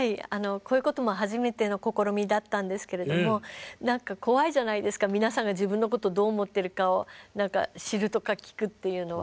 こういうことも初めての試みだったんですけれども何か怖いじゃないですか皆さんが自分のことをどう思っているかを知るとか聞くっていうのは。